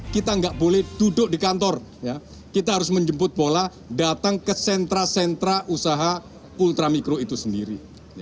kita nggak boleh duduk di kantor kita harus menjemput bola datang ke sentra sentra usaha ultramikro itu sendiri